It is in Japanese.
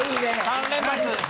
３連発。